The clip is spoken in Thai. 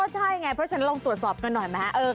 ใช่ไงเพราะฉะนั้นลองตรวจสอบกันหน่อยไหม